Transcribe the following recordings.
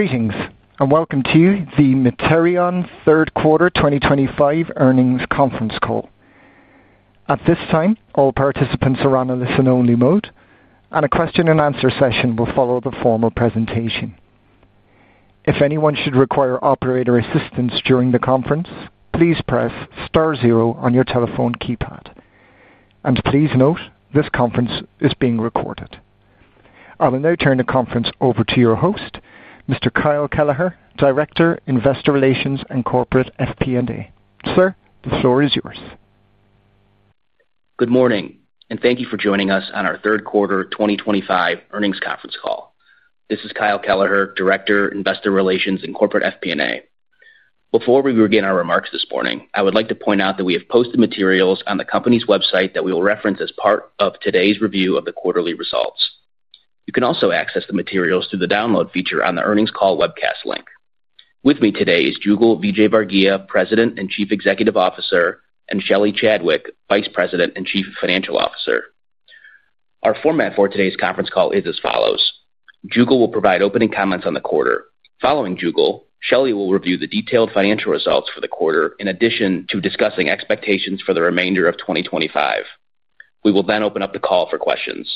Greetings and welcome to the Materion third quarter 2025 earnings conference call. At this time, all participants are on a listen-only mode, and a question and answer session will follow the formal presentation. If anyone should require operator assistance during the conference, please press Star zero on your telephone keypad. Please note this conference is being recorded. I will now turn the conference over to your host, Mr. Kyle Kelleher, Director, Investor Relations and Corporate FP&A. Sir, the floor is yours. Good morning and thank you for joining us on our third quarter 2025 earnings conference call. This is Kyle Kelleher, Director, Investor Relations and Corporate FP&A. Before we begin our remarks this morning, I would like to point out that we have posted materials on the Company's website that we will reference as part of today's review of the quarterly results. You can also access the materials through the Download feature on the Earnings Call webcast link. With me today is Jugal Vijayvargiya, President and Chief Executive Officer, and Shelly Chadwick, Vice President and Chief Financial Officer. Our format for today's conference call is as follows. Jugal will provide opening comments on the quarter. Following Jugal, Shelly will review the detailed financial results for the quarter in addition to discussing expectations for the remainder of 2025. We will then open up the call for questions.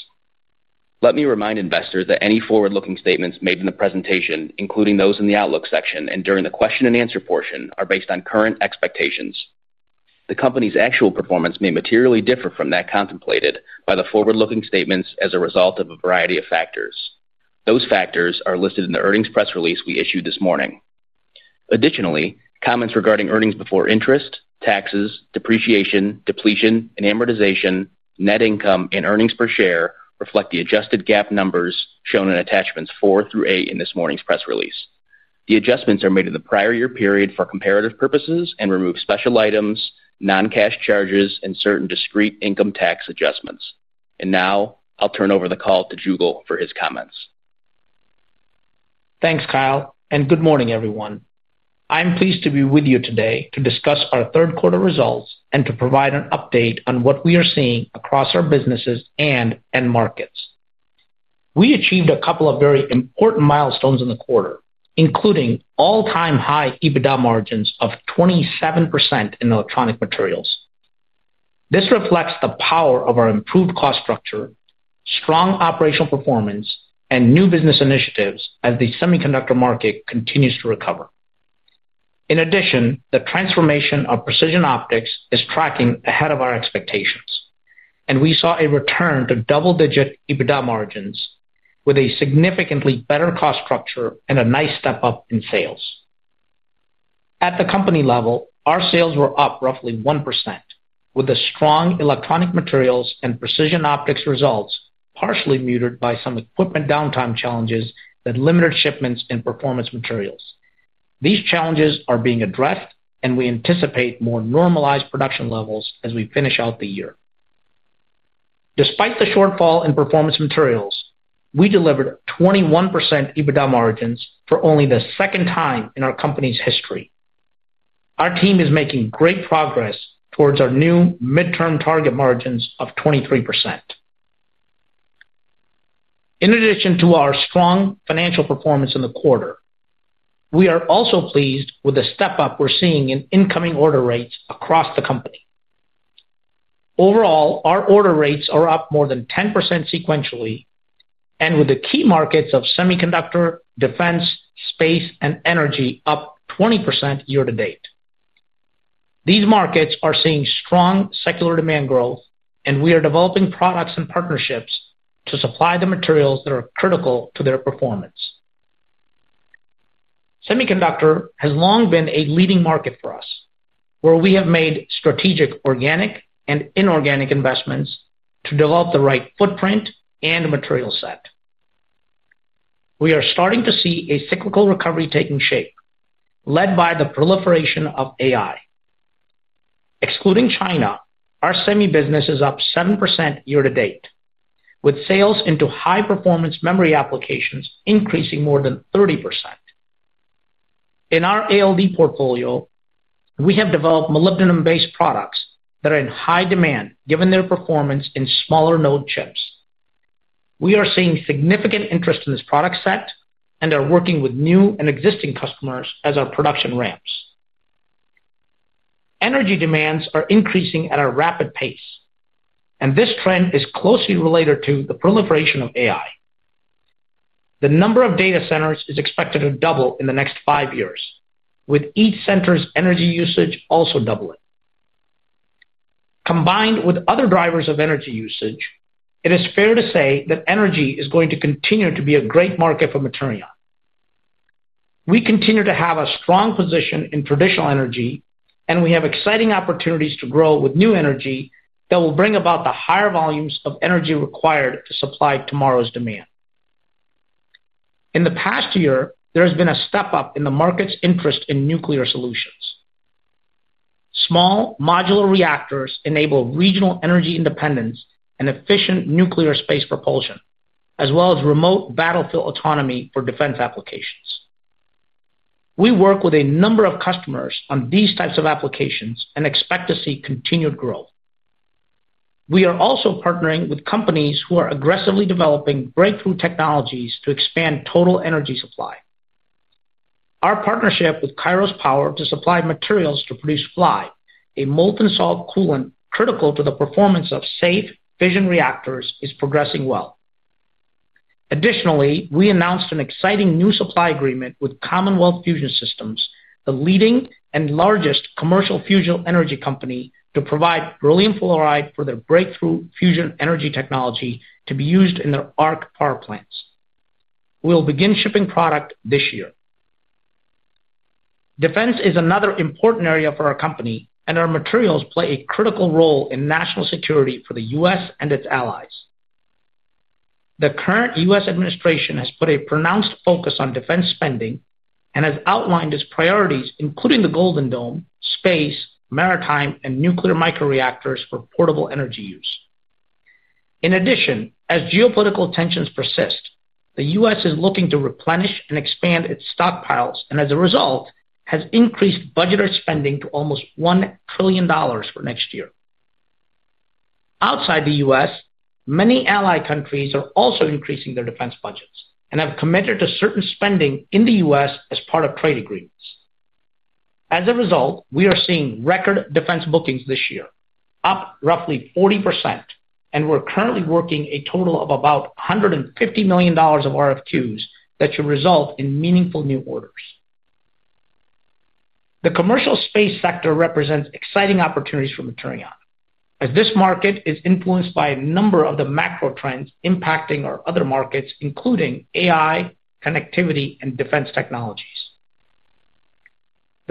Let me remind investors that any forward-looking statements made in the presentation, including those in the Outlook section and during the question and answer portion, are based on current expectations. The Company's actual performance may materially differ from that contemplated by the forward-looking statements as a result of a variety of factors. Those factors are listed in the earnings press release we issued this morning. Additionally, comments regarding earnings before interest, taxes, depreciation, depletion and amortization, net income and earnings per share reflect the adjusted GAAP numbers shown in attachments 4 through 8 in this morning's press release. The adjustments are made in the prior year period for comparative purposes and remove special items, non-cash charges and certain discrete income tax adjustments. Now I'll turn over the call to Jugal for his comments. Thanks, Kyle, and good morning, everyone. I am pleased to be with you today to discuss our third quarter results and to provide an update on what we are seeing across our businesses and end markets. We achieved a couple of very important milestones in the quarter, including all-time high EBITDA margins of 27% in electronic materials. This reflects the power of our improved cost structure, strong operational performance, and new business initiatives as the semiconductor market continues to recover. In addition, the transformation of Precision Optics is tracking ahead of our expectations, and we saw a return to double-digit EBITDA margins with a significantly better cost structure and a nice step up in sales. At the company level, our sales were up roughly 1%, with the strong electronic materials and Precision Optics results partially muted by some equipment downtime challenges that limited shipments in Performance Materials. These challenges are being addressed, and we anticipate more normalized production levels as we finish out the year. Despite the shortfall in Performance Materials, we delivered 21% EBITDA margins for only the second time in our company's history. Our team is making great progress towards our new midterm target margins of 23%. In addition to our strong financial performance in the quarter, we are also pleased with the step up we're seeing in incoming order rates across the company. Overall, our order rates are up more than 10% sequentially, and with the key markets of semiconductor, defense, space, and energy up 20% year-to-date, these markets are seeing strong secular demand growth, and we are developing products and partnerships to supply the materials that are critical to their performance. Semiconductor has long been a leading market for us, where we have made strategic organic and inorganic investments to develop the right footprint and material set. We are starting to see a cyclical recovery taking shape led by the proliferation of AI. Excluding China, our semi business is up 7% year-to-date, with sales into high-performance memory applications increasing more than 30%. In our ALD portfolio, we have developed molybdenum-based products that are in high demand given their performance in smaller node chips. We are seeing significant interest in this product set and are working with new and existing customers as our production ramps. Energy demands are increasing at a rapid pace, and this trend is closely related to the proliferation of AI. The number of data centers is expected to double in the next five years with each center's energy usage also doubling. Combined with other drivers of energy usage, it is fair to say that energy is going to continue to be a great market for Materion. We continue to have a strong position in traditional energy and we have exciting opportunities to grow with new energy that will bring about the higher volumes of energy required to supply tomorrow's demand. In the past year there has been a step up in the market's interest in nuclear solutions. Small modular reactors enable regional energy independence and efficient nuclear space propulsion as well as remote battlefield autonomy for defense applications. We work with a number of customers on these types of applications and expect to see continued growth. We are also partnering with companies who are aggressively developing breakthrough technologies to expand total energy supply. Our partnership with Kairos Power to supply materials to produce FLiBe, a molten salt coolant critical to the performance of safe fission reactors, is progressing well. Additionally, we announced an exciting new supply agreement with Commonwealth Fusion Systems, the leading and largest commercial fusion energy company, to provide beryllium fluoride for their breakthrough fusion energy technology to be used in their ARC power plants. We'll begin shipping product this year. Defense is another important area for our company and our materials play a critical role in national security for the U.S. and its allies. The current U.S. Administration has put a pronounced focus on defense spending and has outlined its priorities, including the Golden Dome space, maritime and nuclear microreactors for portable energy use. In addition, as geopolitical tensions persist, the U.S. is looking to replenish and expand its stockpiles and as a result has increased budgeted spending to almost $1 trillion for next year. Outside the U.S. many allied countries are also increasing their defense budgets and have committed to certain spending in the U.S. as part of trade agreements. As a result, we are seeing record defense bookings this year, up roughly 40% and we're currently working a total of about $150 million of RFQs that should result in meaningful new orders. The commercial space sector represents exciting opportunities for Materion as this market is influenced by a number of the macro trends impacting our other markets including AI connectivity and defense technologies.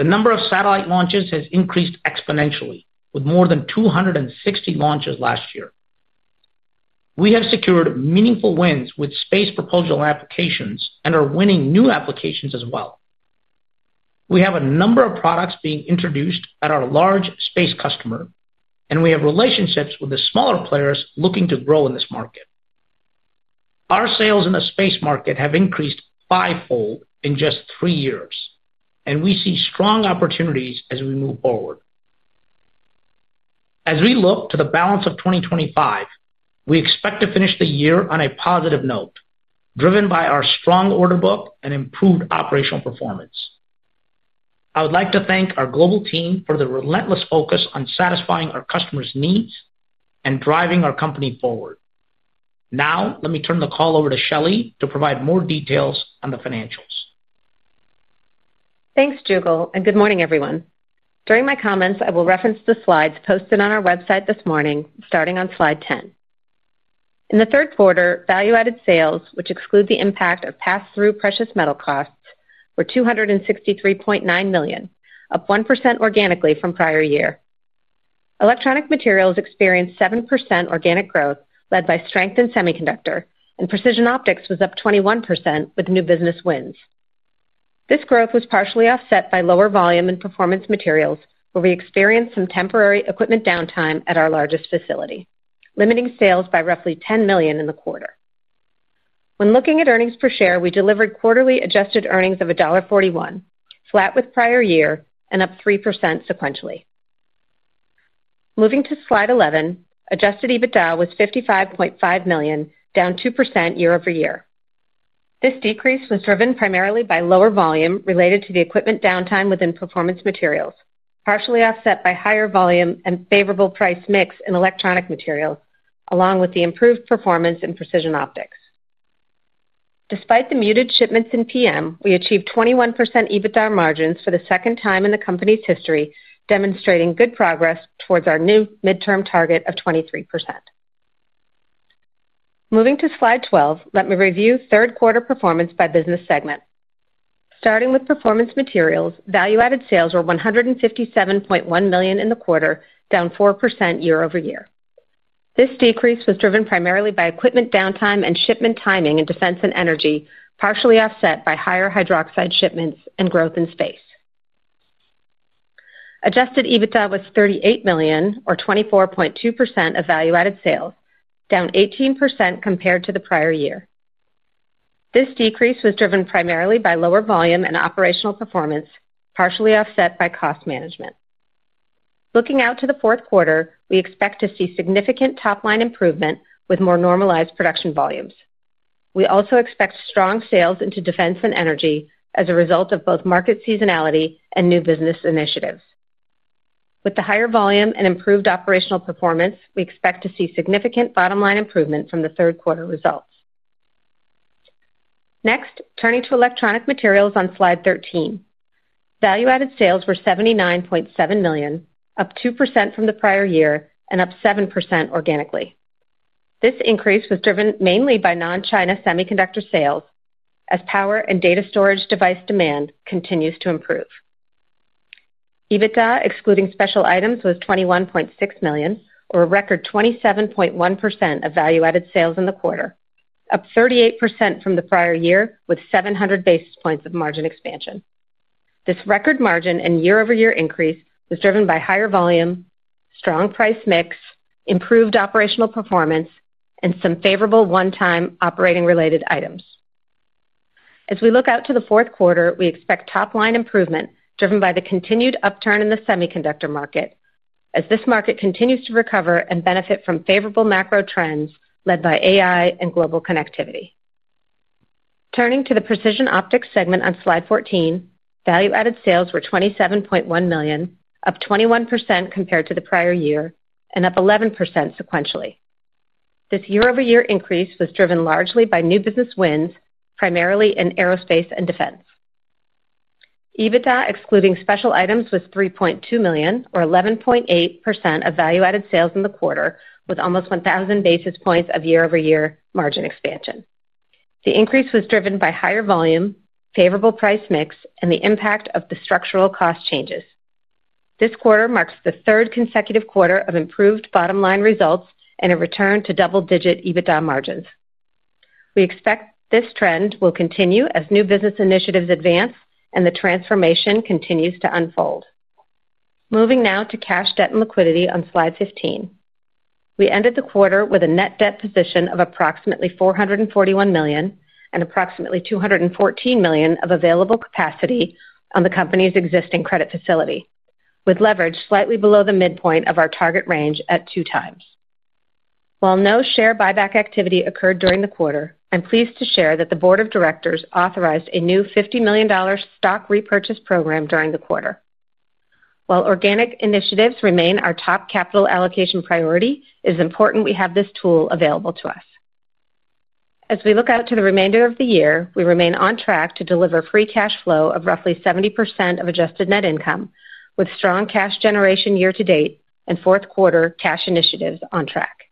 The number of satellite launches has increased exponentially with more than 260 launches last year. We have secured meaningful wins with space proposal applications and are winning new applications as well. We have a number of products being introduced at our large space customer, and we have relationships with the smaller players looking to grow in this market. Our sales in the space market have increased fivefold in just three years, and we see strong opportunities as we move forward. As we look to the balance of 2025, we expect to finish the year on a positive note driven by our strong order book and improved operational performance. I would like to thank our global team for the relentless focus on satisfying our customers' needs and driving our company forward. Now let me turn the call over to Shelly to provide more details on the financials. Thanks Jugal and good morning everyone. During my comments I will reference the slides posted on our website this morning. Starting on slide 10, in the third quarter, value added sales, which exclude the impact of pass through precious metal costs, were $263.9 million, up 1% organically from prior year. Electronic materials experienced 7% organic growth led by strength in semiconductor, and Precision Optics was up 21% with new business wins. This growth was partially offset by lower volume in Performance Materials, where we experienced some temporary equipment downtime at our largest facility, limiting sales by roughly $10 million in the quarter. When looking at earnings per share, we delivered quarterly adjusted earnings of $1.41, flat with prior year and up 3% sequentially. Moving to slide 11, adjusted EBITDA was $55.5 million, down 2% year-over-year. This decrease was driven primarily by lower volume related to the equipment downtime within Performance Materials, partially offset by higher volume and favorable price mix in electronic materials along with the improved performance in Precision Optics. Despite the muted shipments in Performance Materials, we achieved 21% EBITDA margins for the second time in the company's history, demonstrating good progress towards our new midterm target of 23%. Moving to slide 12, let me review third quarter performance by business segment. Starting with Performance Materials, value added sales were $157.1 million in the quarter, down 4% year-over-year. This decrease was driven primarily by equipment downtime and shipment timing in defense and energy, partially offset by higher hydroxide shipments and growth in space. Adjusted EBITDA was $38 million, or 24.2% of value added sales, down 18% compared to the prior year. This decrease was driven primarily by lower volume and operational performance, partially offset by cost management. Looking out to the fourth quarter, we expect to see significant top line improvement with more normalized production volumes. We also expect strong sales into defense and energy as a result of both market seasonality and new business initiatives. With the higher volume and improved operational performance, we expect to see significant bottom line improvement from the third quarter results. Next, turning to electronic materials on slide 13, value added sales were $79.7 million, up 2% from the prior year and up 7% organically. This increase was driven mainly by non-China semiconductor sales as power and data storage device demand continues to improve. EBITDA excluding special items was $21.6 million or a record 27.1% of value added sales in the quarter, up 38% from the prior year with 700 basis points of margin expansion. This record margin and year-over-year increase was driven by higher volume, strong price mix, improved operational performance, and some favorable one-time operating related items. As we look out to the fourth quarter, we expect top line improvement driven by the continued upturn in the semiconductor market as this market continues to recover and benefit from favorable macro trends led by AI and global connectivity. Turning to the Precision Optics segment on Slide 14, value added sales were $27.1 million, up 21% compared to the prior year and up 11% sequentially. This year-over-year increase was driven largely by new business wins, primarily in aerospace and defense. EBITDA excluding special items was $3.2 million or 11.8% of value added sales in the quarter, with almost 1000 basis points of year-over-year margin expansion. The increase was driven by higher volume, favorable price mix, and the impact of the structural cost changes. This quarter marks the third consecutive quarter of improved bottom line results and a return to double-digit EBITDA margin. We expect this trend will continue as new business initiatives advance and the transformation continues to unfold. Moving now to Cash, Debt, and Liquidity on Slide 15, we ended the quarter with a net debt position of approximately $441 million and approximately $214 million of available capacity on the company's existing credit facility, with leverage slightly below the midpoint of our target range at 2x. While no share buyback activity occurred during the quarter, I'm pleased to share that the Board of Directors authorized a new $50 million stock repurchase program during the quarter. While organic initiatives remain our top capital allocation priority, it is important we have this tool available to us as we look out to the remainder of the year. We remain on track to deliver free cash flow of roughly 70% of adjusted net income with strong cash generation year-to-date and fourth quarter cash initiatives on track.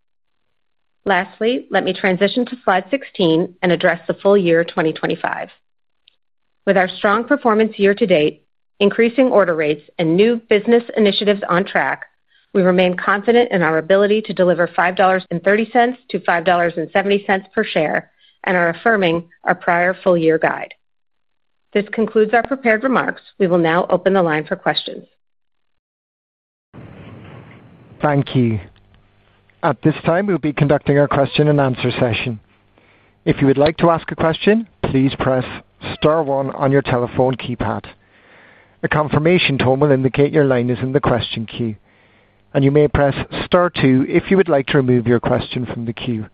Lastly, let me transition to Slide 16 and address the full year 2025. With our strong performance year to date, increasing order rates, and new business initiatives on track, we remain confident in our ability to deliver $5.30-$5.70 per share and are affirming our prior full year guideline. This concludes our prepared remarks. We will now open the line for questions. Thank you. At this time we will be conducting our question and answer session. If you would like to ask a question, please press Star one on your telephone keypad. A confirmation tone will indicate your line is in the question queue and you may press Star two if you would like to remove your question from the queue.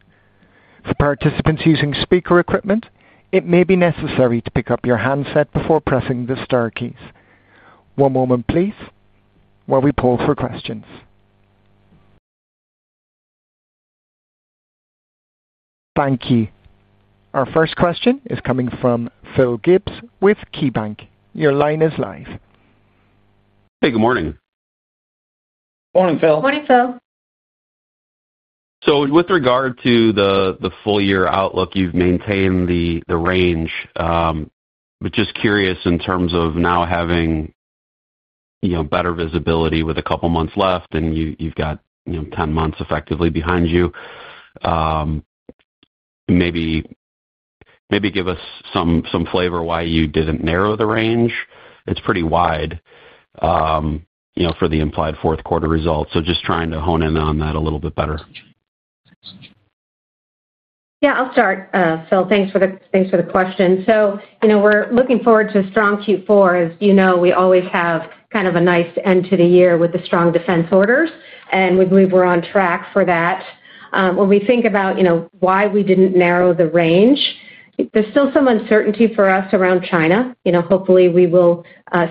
For participants using speaker equipment, it may be necessary to pick up your handset before pressing the star keys. One moment please while we poll for questions. Thank you. Our first question is coming from Philip Gibbs with KeyBanc. Your line is live. Hey, good morning. Morning Phil. Morning, Phil. With regard to the full year outlook, you've maintained the range, but just curious in terms of now having better visibility with a couple months left and you've got 10 months effectively behind you, maybe give us some flavor why you didn't narrow the range, pretty wide for the implied fourth quarter results. Just trying to hone in on. That a little bit better. Yeah, I'll start. Phil, thanks for the question. We're looking forward to a strong Q4. As you know, we always have kind of a nice end to the year with the strong defense orders, and we believe we're on track for that. When we think about why we didn't narrow the range, there's still some uncertainty for us around China. Hopefully we will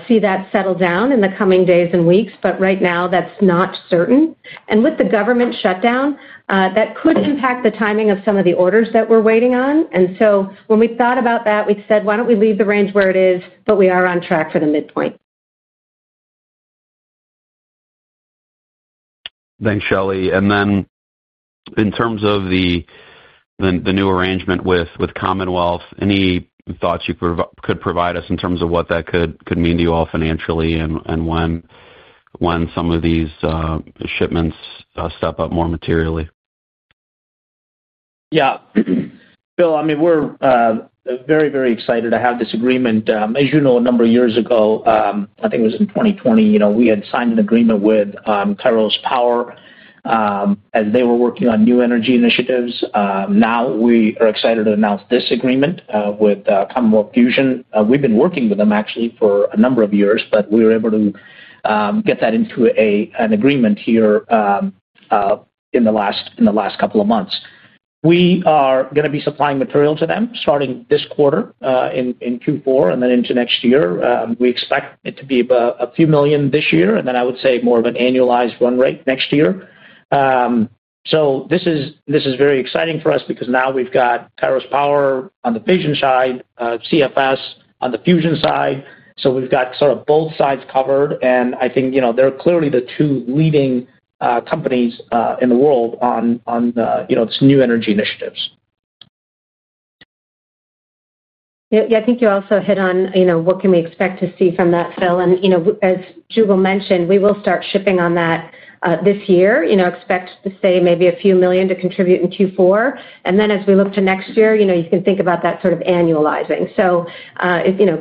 see that settle down in the coming days and weeks, but right now that's not certain. With the government shutdown, that could impact the timing of some of the orders that we're waiting on. When we thought about that, we said, why don't we leave the range where it is, but we are on track for the midpoint. Thanks, Shelly. In terms of the new arrangement with Commonwealth, any thoughts you could provide us in terms of what that could mean to you all financially and when some of these shipments step up more materially? Yeah, Bill, I mean, we're very, very excited to have this agreement. As you know, a number of years ago, I think it was in 2020, we had signed an agreement with Kairos Power as they were working on new energy initiatives. Now we are excited to announce this agreement with Commonwealth Fusion. We've been working with them actually for a number of years, but we were able to get that into an agreement here in the last couple of months. We are going to be supplying material to them starting this quarter in Q4 and then into next year. We expect it to be a few million this year and then I would say more of an annualized run rate next year. This is very exciting for us because now we've got Kairos Power on the fission side, Commonwealth Fusion Systems on the fusion side. We've got sort of both sides covered and I think they're clearly the two leading companies in the world on these new energy initiatives. Yeah, I think you also hit on what can we expect to see from that, Phil? As Jugal mentioned, we will start shipping on that this year. Expect, say, maybe a few million to contribute in Q4. As we look to next year, you can think about that sort of annualizing.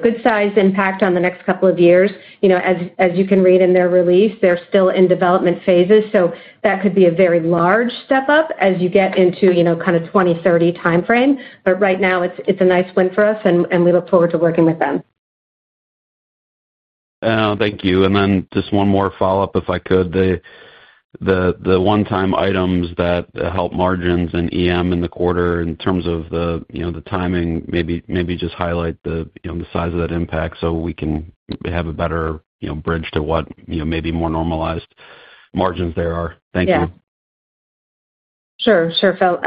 Good size impact on the next couple of years. As you can read in their release, they're still in development phases, so that could be a very large step up as you get into kind of 2030 timeframe. Right now it's a nice win for us. We look forward to working with them. Thank you. Just one more follow-up if I could. The one-time items that help margins and EM in the quarter, in terms of the timing, maybe just highlight the size of that impact so we can have a better bridge to what maybe more normalized margins there are. Thank you. Sure. Sure, Phil.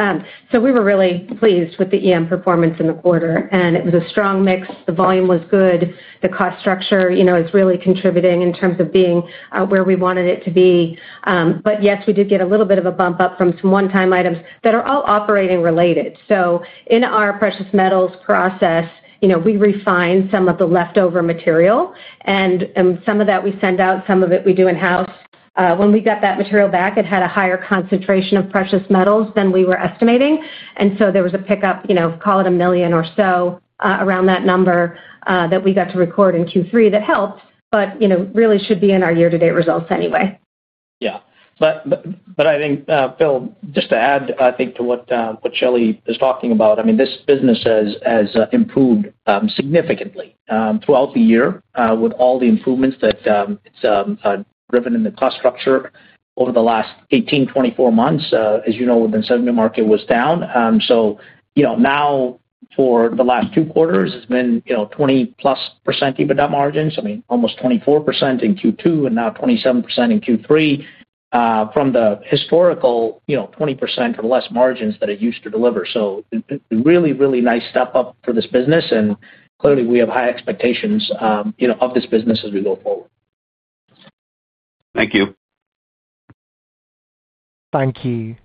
We were really pleased with the EM performance in the quarter, and it was a strong mix. The volume was good. The cost structure is really contributing in terms of being where we wanted it to be. Yes, we did get a little bit of a bump up from some one-time items that are all operating related. In our precious metals process, we refine some of the leftover material, and some of that we send out, some of it we do in house. When we got that material back, it had a higher concentration of precious metals than we were estimating, and there was a pickup, call it $1 million or so around that number, that we got to record in Q3. That helped, but it really should be in our year-to-date results anyway. Yeah, but I think, Phil, just to add, I think to what Shelly is talking about, I mean, this business has improved significantly throughout the year with all the improvements that have driven in the cost structure over the last 18, 24 months. As you know, the incentive market was down. Now for the last two quarters it's been 20+% EBITDA margins, I mean, almost 24% in Q2 and now 27% in Q3 from the historical 20% or less margins that it used to deliver. Really, really nice step up for this business. Clearly we have high expectations of this business as we go forward. Thank you. Thank you.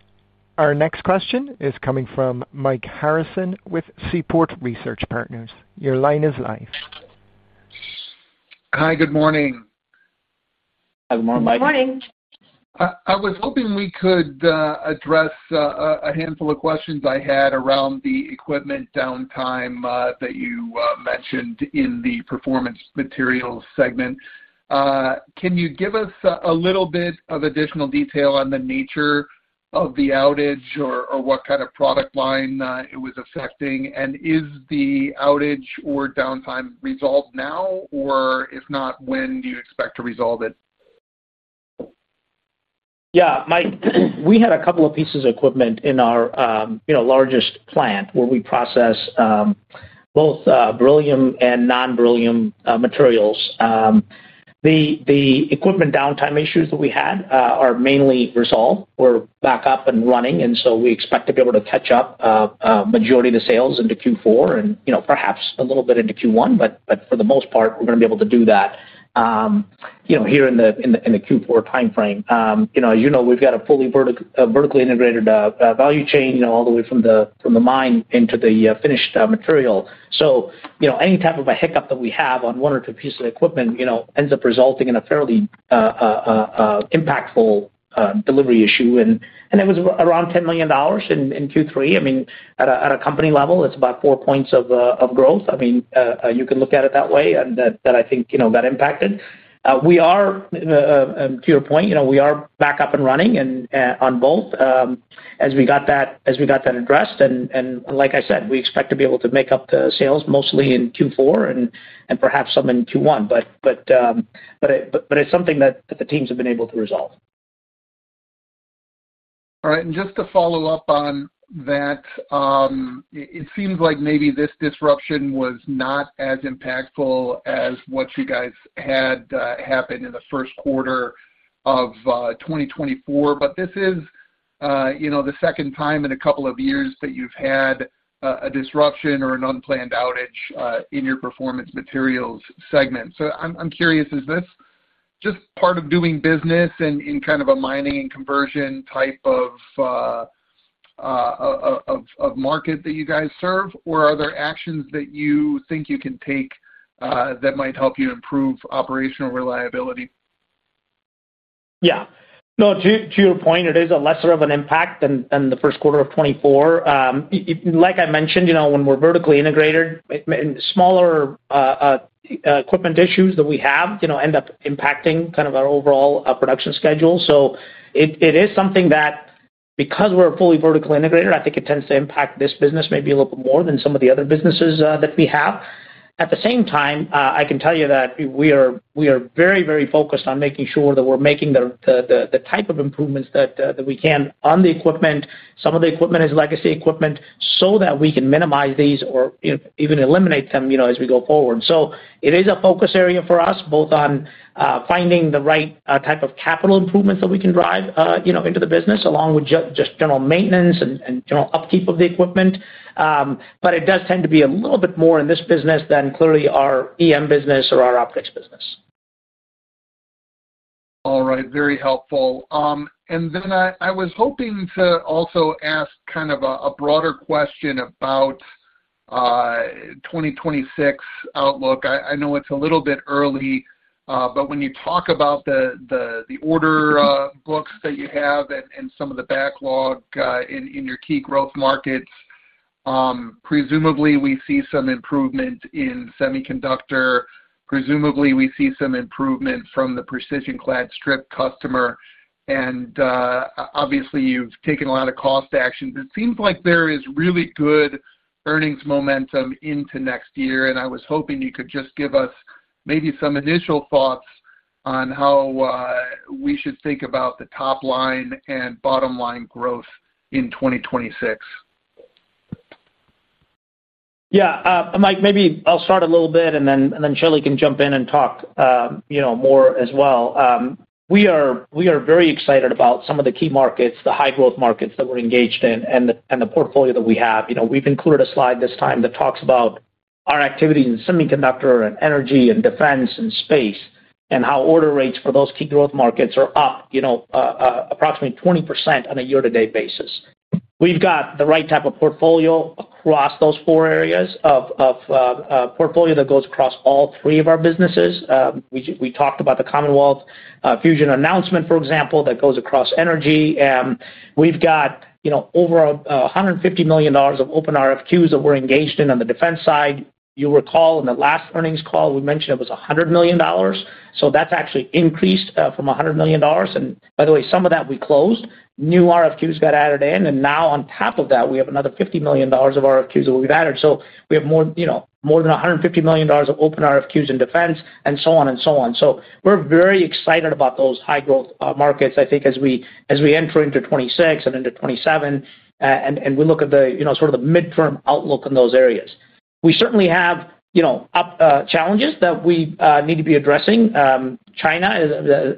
Our next question is coming from Mike Harrison with Seaport Research Partners. Your line is live. Hi, good morning. Good morning. I was hoping we could address a handful of questions I had around the equipment downtime that you mentioned in the Performance Materials segment. Can you give us a little bit of additional detail on the nature of the outage or what kind of product line it was affecting? Is the outage or downtime resolved now, or if not, when do you expect to resolve it? Yeah, Mike, we had a couple of pieces of equipment in our largest plant where we processed both beryllium and non-beryllium materials. The equipment downtime issues that we had are mainly resolved. We're back up and running, and we expect to be able to catch up majority of the sales into Q4 and perhaps a little bit into Q1. For the most part, we're going to be able to do that here in the Q4 time frame. As you know, we've got a fully vertically integrated value chain all the way from the mine into the finished material. Any type of a hiccup that we have on one or two pieces of equipment ends up resulting in a fairly impactful delivery issue. It was around $10 million in Q3. At a company level, it's about 4 points of growth. You can look at it that way, and I think that impacted where we are. To your point, we are back up and running on both as we got that addressed. Like I said, we expect to be able to make up the sales mostly in Q4 and perhaps some in Q1, but it's something that the teams have been able to resolve. All right, just to follow up on that, it seems like maybe this disruption was not as impactful as what you guys had happen in the first quarter of 2024, but this is the second time in a couple of years that you've had a disruption or an unplanned outage in your Performance Materials segment. I'm curious, is this just part of doing business in kind of a mining and conversion type of market that you guys serve, or are there actions that you think you can take that might help you improve operational reliability? Yeah, no. To your point, it is less of an impact than first quarter of 2024. Like I mentioned, when we're vertically integrated, smaller equipment issues that we have end up impacting kind of our overall production schedule. It is something that, because we're fully vertically integrated, I think it tends to impact this business maybe a little bit more than some of the other businesses that we have. At the same time, I can tell you that we are very, very focused on making sure that we're making the type of improvements that we can on the equipment. Some of the equipment is legacy equipment, so that we can minimize these or even eliminate them as we go forward. It is a focus area for us both on finding the right type of capital improvements that we can drive into the business along with just general maintenance and upkeep of the equipment. It does tend to be a little bit more in this business than clearly our PM business or our Optics business. All right, very helpful. I was hoping to also ask kind of a broader question about 2026 outlook. I know it's a little bit early, but when you talk about the order book that you have and some of the backlog in your key growth markets, presumably we see some improvement in semiconductor, presumably we see some improvement from the precision clad strip customer. Obviously you've taken a lot of cost actions. It seems like there is really good earnings momentum into next year. I was hoping you could just give us maybe some initial thoughts on how we should think about the top line and bottom line growth in 2026. Yeah, Mike, maybe I'll start a little bit and then Shelly can jump in and talk more as well. We are very excited about some of the key markets, the high growth markets that we're engaged in and the portfolio that we have. We've included a slide this time that talks about our activities in semiconductor and energy and defense and space and how order rates for those key growth markets are up approximately 20% on a year-to-date basis. We've got the right type of portfolio across those four areas, a portfolio that goes across all three of our businesses. We talked about the Commonwealth Fusion Systems announcement, for example, that goes across energy. We've got over $150 million of open RFQs that we're engaged in. On the defense side, you recall in the last earnings call we mentioned it was $100 million. That's actually increased from $100 million. By the way, some of that we closed. New RFQs got added in and now on top of that we have another $50 million of RFQs that we've added. We have more than $150 million of open RFQs in defense and so on and so on. We're very excited about those high growth markets. I think as we enter into 2026 and into 2027 and we look at the sort of the midterm outlook in those areas, we certainly have challenges that we need to be addressing. China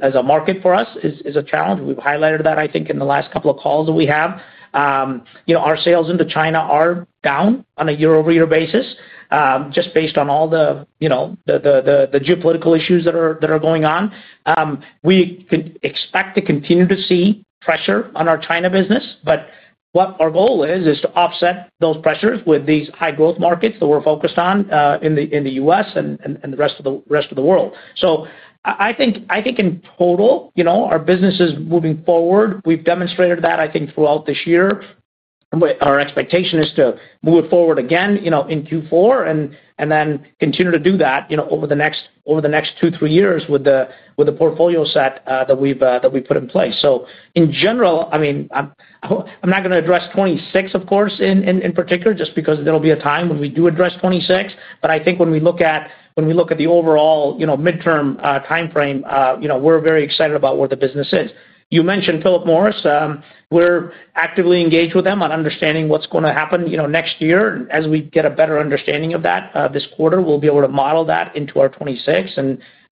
as a market for us is a challenge. We've highlighted that in the last couple of calls that we have. Our sales into China are down on a year-over-year basis just based on all the geopolitical issues that are going on. We expect to continue to see pressure on our China business. What our goal is is to offset those pressures with these high growth markets that we're focused on in the U.S. and the rest of the world. I think in total, our business is moving forward. We've demonstrated that. I think throughout this year our expectation is to move forward again in Q4 and then continue to do that over the next two, three years with the portfolio set that we've put in place. In general, I'm not going to address 2026, of course, in particular, just because there will be a time when we do address 2026. I think when we look at the overall midterm time frame, we're very excited about where the business is. You mentioned Philip Morris. We're actively engaged with them on understanding what's going to happen next year. As we get a better understanding of that this quarter, we'll be able to model that into our 2026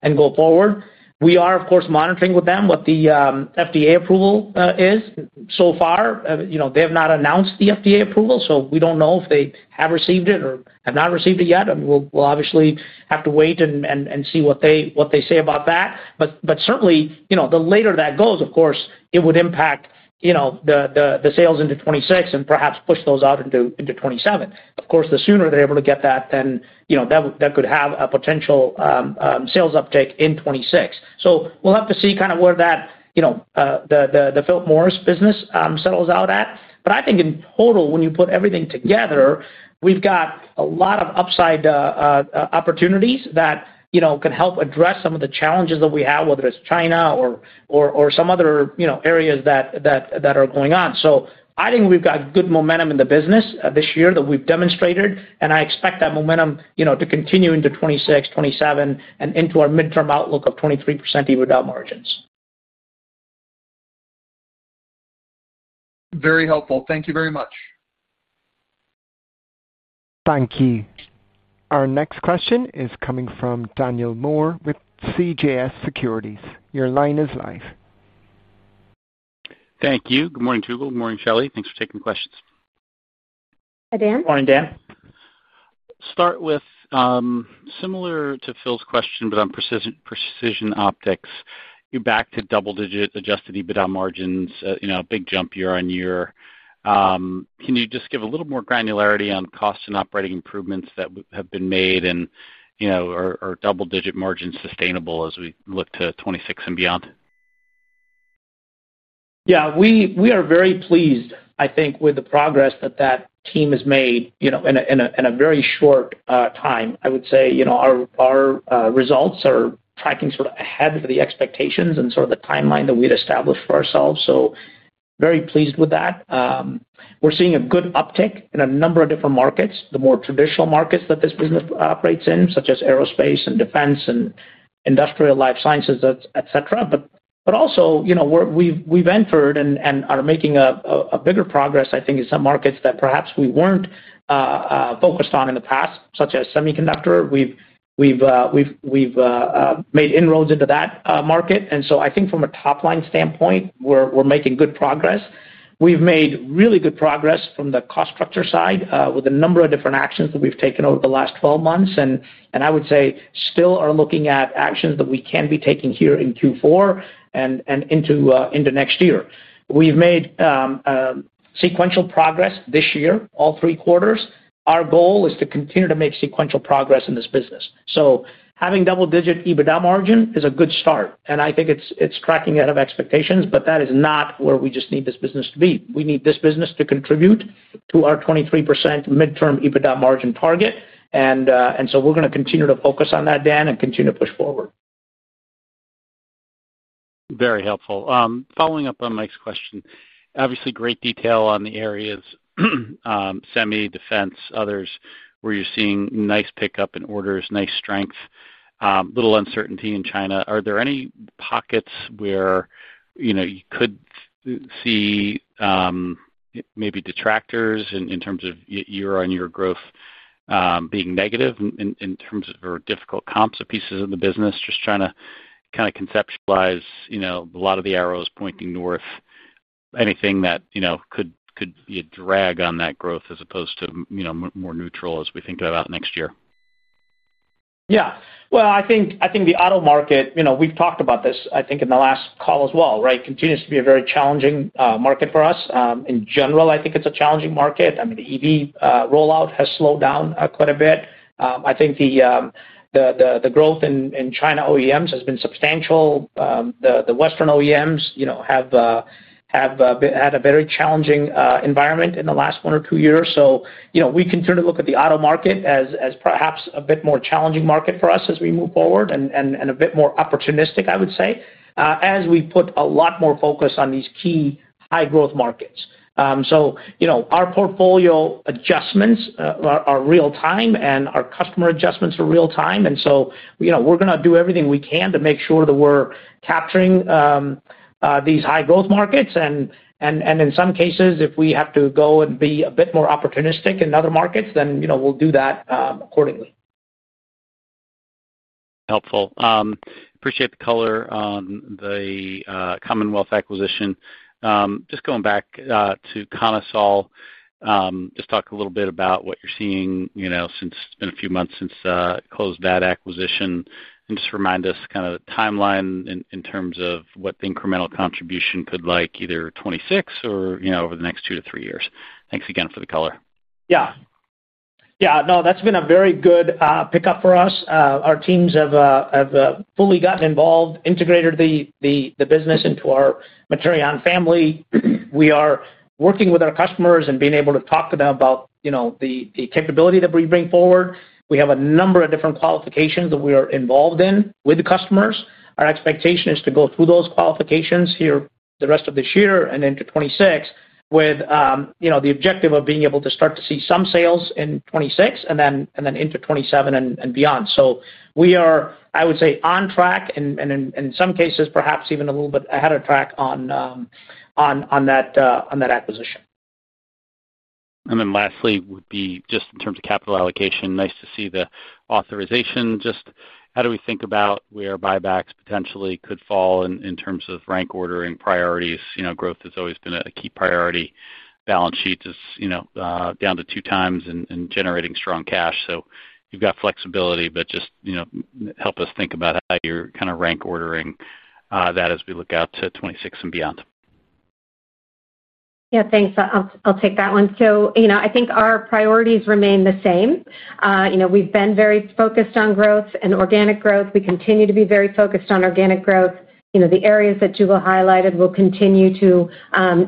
and go forward. We are, of course, monitoring with them what the FDA approval is. So far they have not announced the FDA approval, so we don't know if they have received it or have not received it yet. We'll obviously have to wait and see what they say about that. Certainly, the later that goes, it would impact the sales into 2026 and perhaps push those out into 2027. Of course, the sooner they're able to get that, then that could have a potential sales uptick in 2026. We'll have to see where the Philip Morris business settles out at. I think in total, when you put everything together, we've got a lot of upside opportunities that can help address some of the challenges that we have, whether it's China or some other areas that are going on. I think we've got good momentum in the business this year that we've demonstrated, and I expect that momentum to continue into 2026, 2027 and into our midterm outlook of 23% EBITDA margins. Very helpful. Thank you very much. Thank you. Our next question is coming from Daniel Moore with CJS Securities. Your line is live. Thank you. Good morning, Jugal. Morning, Shelly. Thanks for taking questions. Hi, Dan. Morning, Dan. Start with similar to Phil's question, but on Precision Optics. You're back to double-digit adjusted EBITDA margins. You know, big jump year-over-year. Can you just give a little more granularity on cost and operating improvements that have been made, and you know, are double-digit margins sustainable as we look to 2026 and beyond? Yeah, we are very pleased, I think, with the progress that that team has made in a very short time. I would say our results are tracking sort of ahead of the expectations and sort of the timeline that we'd established for ourselves. Very pleased with that. We're seeing a good uptick in a number of different markets. The more traditional markets that this business operates in, such as aerospace and defense and industrial life sciences, et cetera. We've entered and are making bigger progress, I think, in some markets that perhaps we weren't focused on in the past, such as semiconductor. We've made inroads into that market. I think from a top line standpoint we're making good progress. We've made really good progress from the cost structure side with a number of different actions that we've taken over the last 12 months, and I would say still are looking at actions that we can be taking here in Q4 and into next year. We've made sequential progress this year, all three quarters. Our goal is to continue to make sequential progress in this business. Having double-digit EBITDA margin is a good start, and I think it's tracking ahead of expectations. That is not where we just need this business to be. We need this business to contribute to our 23% midterm EBITDA margin target. We're going to continue to focus on that, Dan, and continue to push forward. Very helpful. Following up on Mike's question, obviously great detail on the areas semi, defense, others where you're seeing nice pickup in orders, nice strength, little uncertainty in China. Are there any pockets where you could see maybe detractors in terms of year-over-year growth being negative in terms of difficult comps of pieces of the business? Just trying to conceptualize a lot of the arrows pointing north. Anything that could be a drag on that growth as opposed to more neutral as we think about next year? I think the auto market, we've talked about this in the last call as well, continues to be a very challenging market for us in general. I think it's a challenging market. The EV rollout has slowed down quite a bit. I think the growth in China OEMs has been substantial. The Western OEMs have had a very challenging environment in the last one or two years. We continue to look at the auto market as perhaps a bit more challenging market for us as we move forward and a bit more opportunistic, I would say, as we put a lot more focus on these key high growth markets. Our portfolio adjustments are real time and our customer adjustments are real time. We're going to do everything we can to make sure that we're capturing these high growth markets. In some cases, if we have to go and be a bit more opportunistic in other markets, then we'll do that accordingly. Helpful. Appreciate the color on the Commonwealth acquisition. Just going back to Konasol, just talk a little bit about what you're seeing since it's been a few months since closed that acquisition, and just remind us kind of timeline in terms of what the incremental contribution could, like either 2026 or over the next two to three years. Thanks again for the color. Yeah, that's been a very good pickup for us. Our teams have fully gotten involved, integrated the business into our Materion family. We are working with our customers and being able to talk to them about the capability that we bring forward. We have a number of different qualifications that we are involved in with the customers. Our expectation is to go through those qualifications here the rest of this year and into 2026, with the objective of being able to start to see some sales in 2026 and then into 2027 and beyond. We are, I would say, on track and in some cases, perhaps even a little bit ahead of track on that acquisition. Lastly, in terms of capital allocation, nice to see the authorization. How do we think about where buybacks potentially could fall in terms of rank ordering priorities? Growth has always been a key priority. Balance sheet is down to two times and generating strong cash, so you've got flexibility. Help us think about how you're kind of rank ordering that as we look out to 2026 and beyond. Yeah, thanks. I'll take that one. I think our priorities remain the same. We've been very focused on growth and organic growth. We continue to be very focused on organic growth. The areas that Jugal highlighted will continue to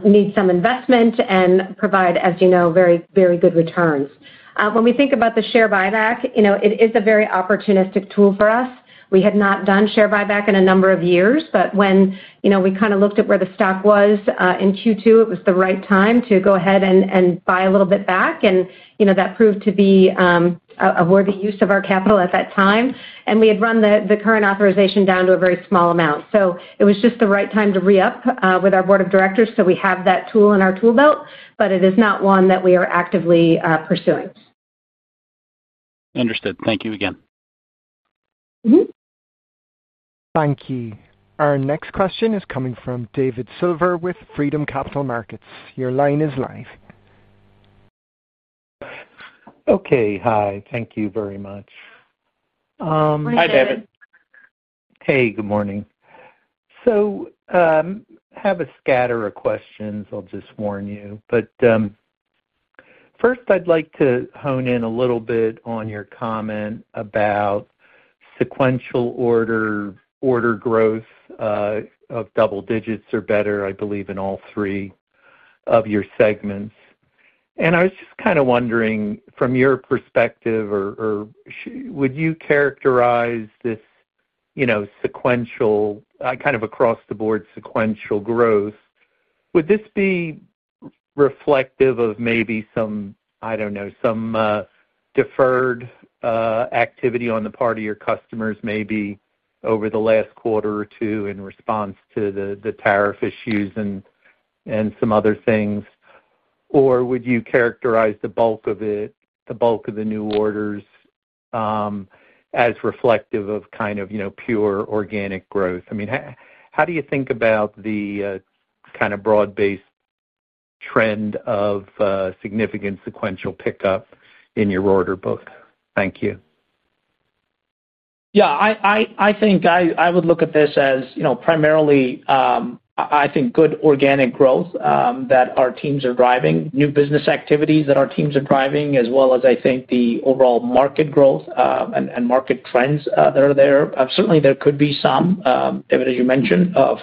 need some investment and provide, as you know, very, very good returns. When we think about the share repurchase program, it is a very opportunistic tool for us. We had not done a share repurchase program in a number of years, but when we kind of looked at where the stock was in Q2, it was the right time to go ahead and buy a little bit back. That proved to be a worthy use of our capital at that time. We had run the current authorization down to a very small amount. It was just the right time to re-up with our Board of Directors. We have that tool in our tool belt, but it is not one that we are actively pursuing. Understood. Thank you again. Thank you. Our next question is coming from David Silver with Freedom Capital Markets. Your line is live. Okay. Hi, thank you very much. Hi, David. Good morning. I have a scatter of questions, I'll just warn you, but first I'd like to hone in a little bit on your comment about sequential order growth of double digits or better, I believe in all three of your segments. I was just kind of wondering from your perspective, would you characterize this sequential, kind of across the board sequential growth, as reflective of maybe some deferred activity on the part of your customers over the last quarter or two in response to the tariff issues and some other things, or would you characterize the bulk of it, the bulk of the new orders, as reflective of pure organic growth? How do you think about the kind of broad-based trend of significant sequential pickup in your order book? Thank you. I think I would look at this as primarily, I think good organic growth that our teams are driving, new business activities that our teams are driving as well as I think the overall market growth and market trends that are there. Certainly there could be some, David, as you mentioned, of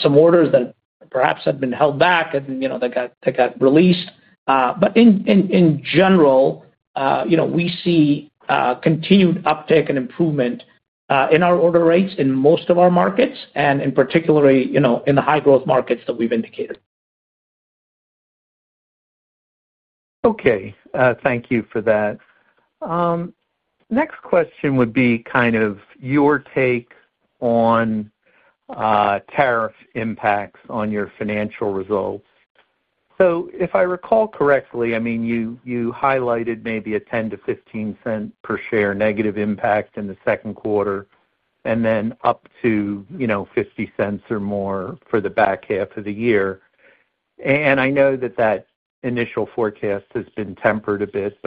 some orders that perhaps had been held back and that got released. In general, we see continued uptake and improvement in our order rates in most of our markets and particularly in the high growth markets that we've indicated. Okay, thank you for that. Next question would be kind of your take on tariff impacts on your financial results. If I recall correctly, you highlighted maybe a $0.10-$0.15 per share negative impact in the second quarter and then up to $0.50 or more for the back half of the year. I know that initial forecast has been tempered a bit.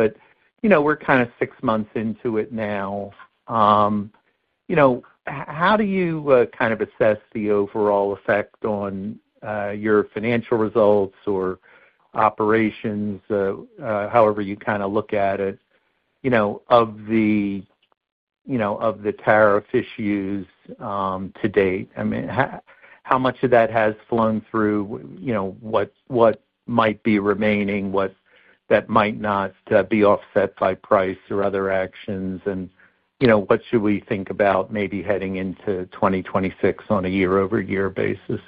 We're kind of six months into it now. How do you assess the overall effect on your financial results or operations, however you look at it, of the tariff issues to date? How much of that has flown through, what might be remaining, what might not be offset by price or other actions? What should we think about heading into 2026 on a year-over-year basis?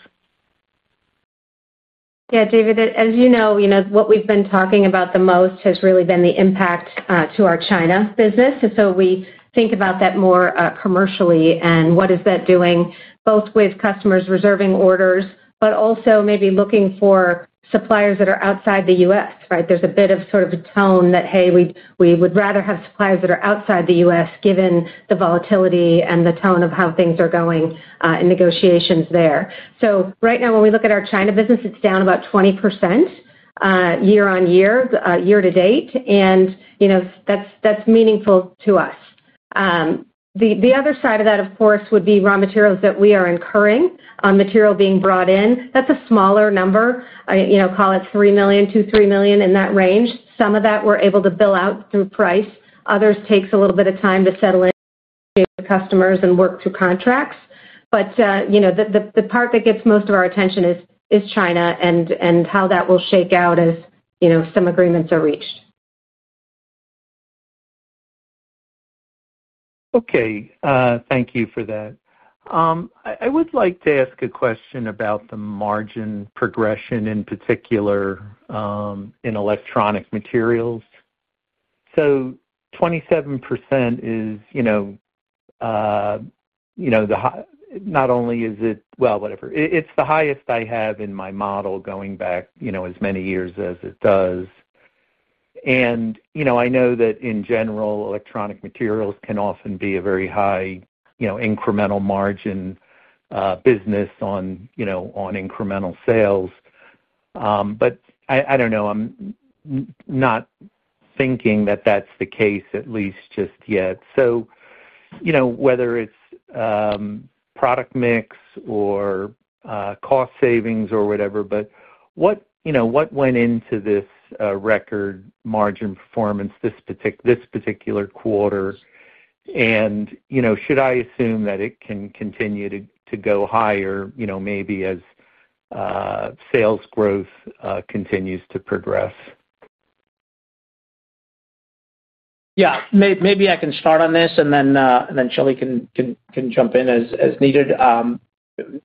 Yeah, David, as you know, what we've been talking about the most has really been the impact to our China business. We think about that more commercially, and what is that doing both with customers reserving orders but also maybe looking for suppliers that are outside the U.S., right. There's a bit of sort of a tone that, hey, we would rather have suppliers that are outside the U.S. given the volatility and the tone of how things are going in negotiations there. Right now when we look at our China business, it's down about 20% year over year, year to date, and that's meaningful to us. The other side of that, of course, would be raw materials that we are incurring, material being brought in. That's a smaller number, call it $3 million-$3 million in that range. Some of that we're able to bill out through price. Others take a little bit of time to settle in customers and work through contracts. The part that gets most of our attention is China and how that will shake out as some agreements are reached. Okay, thank you for that. I would like to ask a question about the margin progression in particular in electronic materials. 27% is, you know. Not only. Is it, whatever, it's the highest I have in my model going back, you know, as many years as it does. I know that in general, electronic materials can often be a very high incremental margin business on incremental sales. I don't know. I'm not thinking that that's the case, at least just yet. Whether it's product mix or cost savings or whatever, what went into this record margin performance this particular quarter, and should I assume that it can continue to go higher, maybe as sales growth continues to progress? Maybe I can start on this and then Shelly can jump in as needed.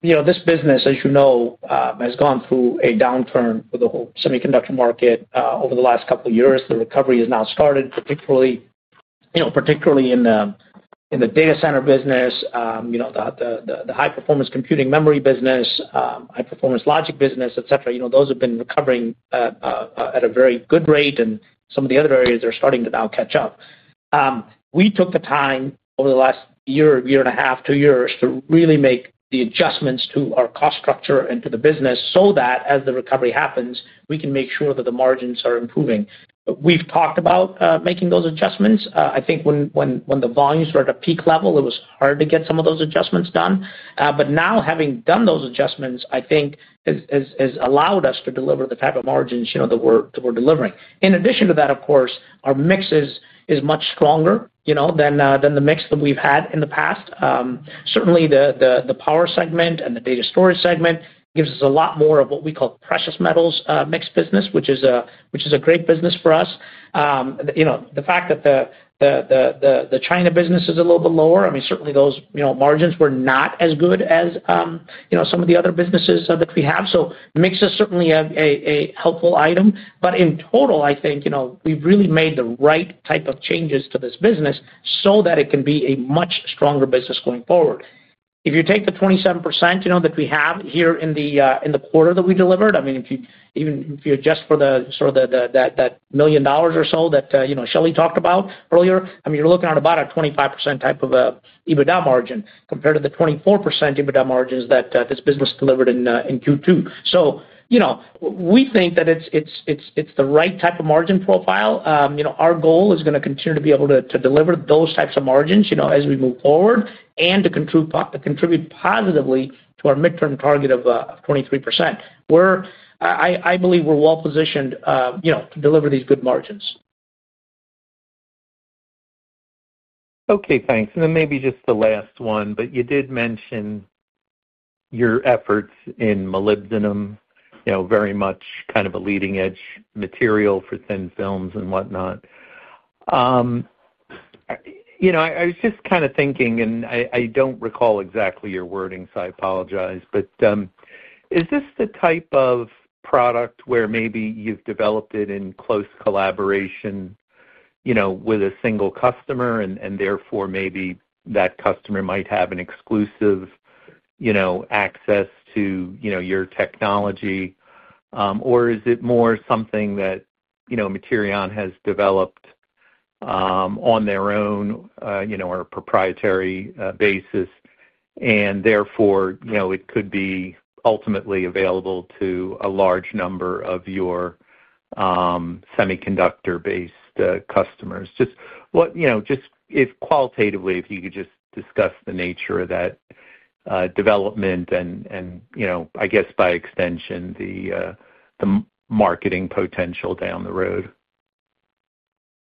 This business, as you know, has gone through a downturn for the whole semiconductor market over the last couple years. The recovery has now started, particularly in the data center business, the high performance computing memory business, high performance logic business, et cetera. Those have been recovering at a very good rate and some of the other areas are starting to now catch up. We took the time over the last year, year and a half, two years to really make the adjustments to our cost structure and to the business so that as the recovery happens, we can make sure that the margins are improving. We've talked about making those adjustments. I think when the volumes were at a peak level, it was hard to get some of those adjustments done. Now, having done those adjustments, I think has allowed us to deliver the type of margins that we're delivering. In addition to that, of course, our mix is much stronger than the mix that we've had in the past. Certainly the power segment and the data storage segment give us a lot more of what we call precious metals mix business, which is a great business for us. The fact that the China business is a little bit lower, certainly those margins were not as good as some of the other businesses that we have. Mix is certainly a helpful item. In total, I think we've really made the right type of changes to this business so that it can be a much stronger business going forward. If you take the 27% that we have here in the quarter that we delivered, even if you adjust for the sort of that $1 million or so that Shelly talked about earlier, you're looking at about a 25% type of EBITDA margin compared to the 24% EBITDA margins that this business delivered in Q2. We think that it's the right type of margin profile. Our goal is going to continue to be able to deliver those types of margins as we move forward and to contribute positively to our midterm target of 23%. I believe we're well positioned to deliver these good margins. Okay, thanks. Maybe just the last one, you did mention your efforts in molybdenum. Very much kind of a leading edge material for thin films and whatnot. I was just kind of thinking, and I don't recall exactly your wording, so I apologize. Is this the type of product where maybe you've developed it in close collaboration with a single customer, and therefore maybe that customer might have exclusive access to your technology? Is it more something that Materion has developed on their own or a proprietary basis, and therefore it could be ultimately available to a large number of your semiconductor basis customers? Just if qualitatively, if you could just discuss the nature of that development and I guess by extension the marketing potential down the road.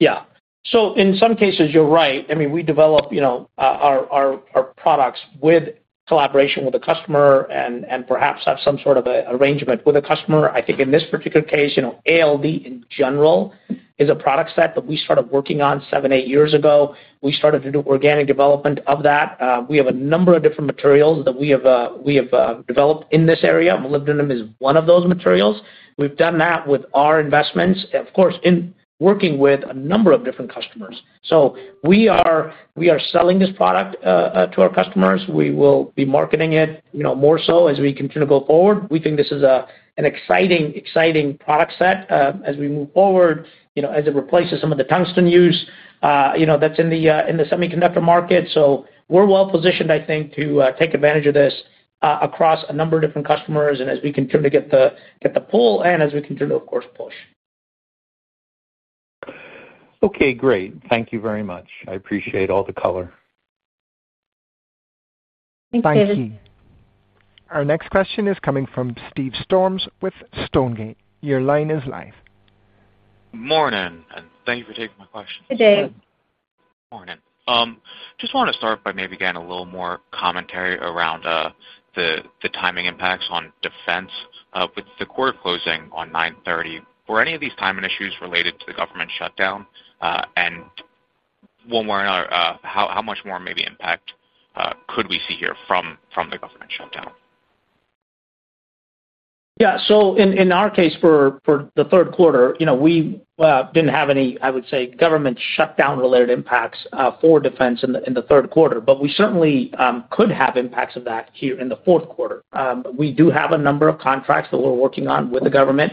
In some cases you're right. We develop our products with collaboration with the customer and perhaps have some sort of arrangement with a customer. I think in this particular case, ALD in general is a product set that we started working on seven, eight years ago. We started to do organic development of that. We have a number of different materials that we have developed in this area. Molybdenum is one of those materials. We've done that with our investments, of course, in working with a number of different customers. We are selling this product to our customers. We will be marketing it more. As we continue to go forward, we think this is an exciting, exciting product set as we move forward, as it replaces some of the tungsten use that's in the semiconductor market. We are well positioned, I think, to take advantage of this across a number of different customers as we continue to get the pull and as we continue to, of course, push. Okay, great. Thank you very much. I appreciate all the color. Thank you. Our next question is coming from Dave Storms with Stonegate. Your line is live. Good morning and thank you. you for taking my question. Good day. Just want to start by maybe getting a little more commentary around the timing impacts on defense. With the quarter closing on 9/30, were any of these timing issues related to the government shutdown? One way or another, how much more maybe impact could we see here from the government shutdown? Yeah, so in our case for the third quarter, we didn't have any, I would say, government shutdown related impacts for defense in the third quarter, but we certainly could have impacts of that here in the fourth quarter. We do have a number of contracts that we're working on with the government.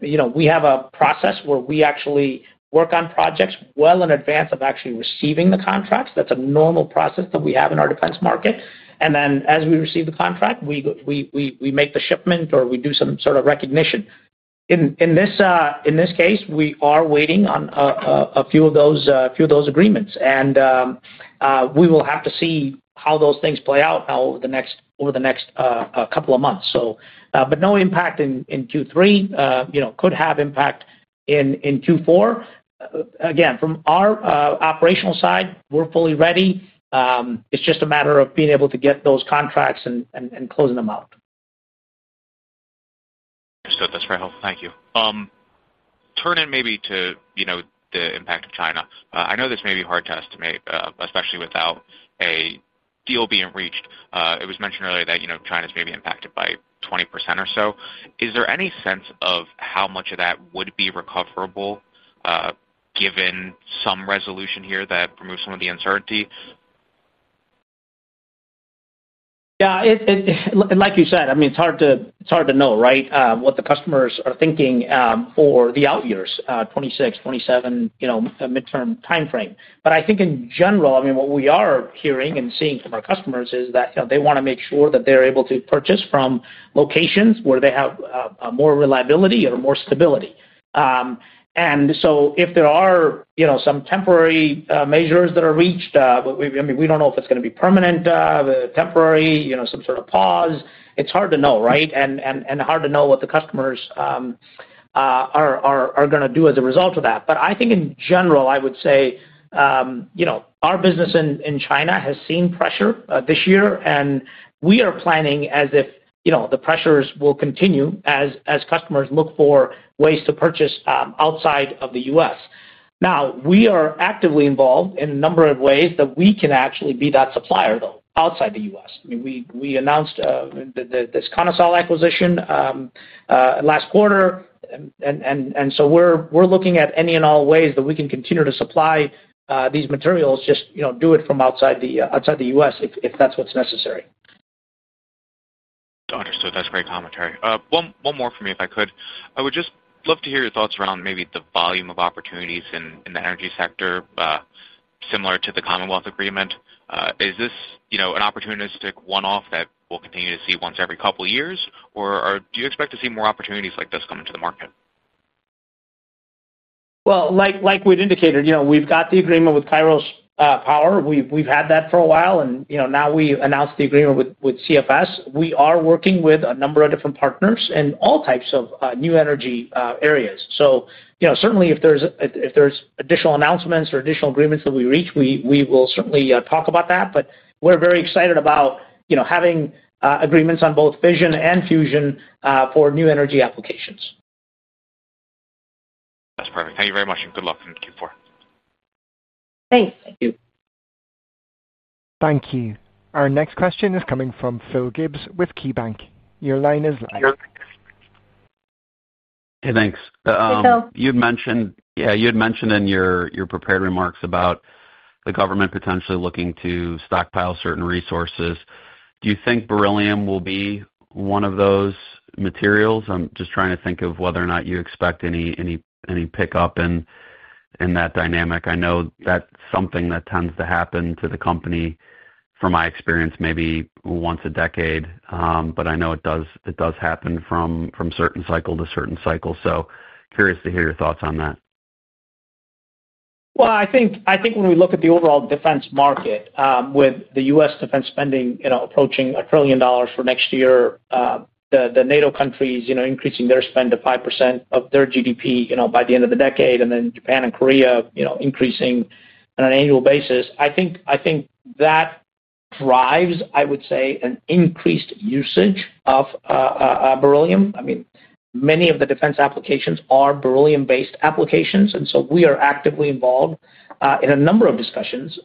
We have a process where we actually work on projects well in advance of actually receiving the contracts. That's a normal process that we have in our defense market. As we receive the contract, we make the shipment or we do some sort of recognition. In this case, we are waiting on a few of those agreements and we will have to see how those things play out over the next couple of months. No impact in Q3, could have impact in Q4. Again, from our operational side, we're fully ready. It's just a matter of being able to get those contracts and closing them out. That's very helpful, thank you. Turning maybe to the impact of China, I know this may be hard to estimate, especially without a deal being reached. It was mentioned earlier that China is maybe impacted by 20% or so. Is there any sense of how much of that would be recoverable given some resolution here that removes some of the uncertainty? Yeah, like you said, I mean it's hard to know what the customers are thinking for the out years, 2026, 2027 midterm timeframe. I think in general, what we are hearing and seeing from our customers is that they want to make sure that they're able to purchase from locations where they have more reliability or more stability. If there are some temporary measures that are reached, we don't know if it's going to be permanent, temporary, some sort of pause. It's hard to know, and hard to know what the customers are going to do as a result of that. I think in general I would say our business in China has seen pressure this year, and we are planning as if the pressures will continue as customers look for ways to purchase outside of the U.S. Now we are actively involved in a number of ways that we can actually be that supplier though outside the U.S. We announced this Konasol acquisition last quarter, and we're looking at any and all ways that we can continue to supply these materials, just do it from outside the U.S. if that's what's necessary. Understood. That's great commentary. One more for me if I could. I would just love to hear your thoughts around maybe the volume of opportunities in the energy sector similar to the Commonwealth agreement. Is this an opportunistic one off that we'll continue to see once every couple years, or do you expect to see more opportunities like this come into the market? Like we'd indicated, we've got the agreement with Kairos Power. We've had that for a while, and now we announced the agreement with CFS. We are working with a number of different partners in all types of new energy areas. If there's additional announcements or additional agreements that we reach, we will certainly talk about that. We're very excited about having agreements on both fission and fusion for new energy applications. That's perfect. Thank you very much and good luck in Q4. Thanks. Thank you. Our next question is coming from Philip Gibbs with KeyBanc. Your line is live. Hey, thanks. You'd mentioned. Yeah. You had mentioned in your prepared remarks about the government potentially looking to stockpile certain resources. Do you think beryllium will be one of those materials? I'm just trying to think of whether or not you expect any pickup in that dynamic. I know that's something that tends to happen to the company from my experience, maybe once a decade, but I know it does happen from certain cycle to certain cycle. Curious to hear your thoughts on that. I think when we look at the overall defense market, with U.S. defense spending approaching $1 trillion for next year, the NATO countries increasing their spend to 5% of their GDP by the end of the decade, and then Japan and Korea increasing on an annual basis, I think that drives, I would say, an increased usage of beryllium. Many of the defense applications are beryllium-based applications. We are actively involved in a number of discussions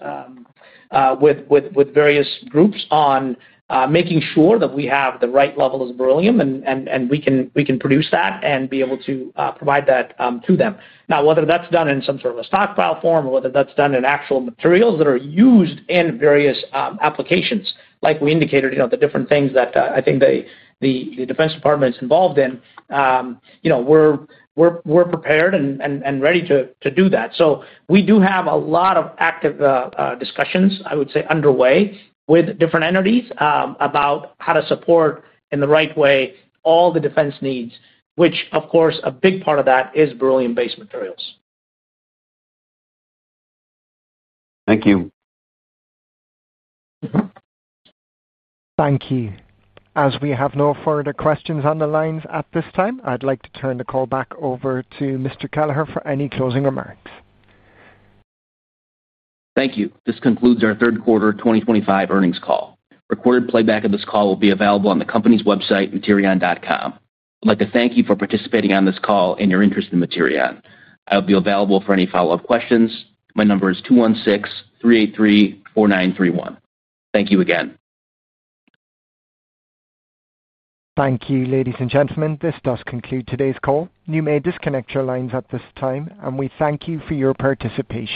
with various groups on making sure that we have the right level of beryllium and we can produce that and be able to provide that to them. Now, whether that's done in some sort of a stockpile form or whether that's done in actual materials that are used in various applications like we indicated, the different things that I think the Defense Department is involved in, we're prepared and ready to do that. We do have a lot of active discussions underway with different entities about how to support in the right way all the defense needs, which, of course, a big part of that is beryllium-based materials. Thank you. Thank you. As we have no further questions on the lines at this time, I'd like to turn the call back over to Mr. Kelleher for any closing remarks. Thank you. This concludes our third quarter 2025 earnings call. Recorded playback of this call will be available on the company's website, materion.com. I'd like to thank you for participating on this call and your interest in Materion. I will be available for any follow up questions. My number is 216-383-4931. Thank you again. Thank you. Ladies and gentlemen, this does conclude today's call. You may disconnect your lines at this time, and we thank you for your participation.